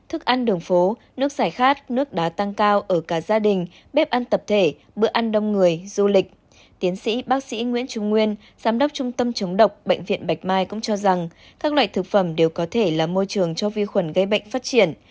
hoặc đá tăng cao ở cả gia đình bếp ăn tập thể bữa ăn đông người du lịch tiến sĩ bác sĩ nguyễn trung nguyên giám đốc trung tâm chống độc bệnh viện bạch mai cũng cho rằng các loại thực phẩm đều có thể là môi trường cho vi khuẩn gây bệnh phát triển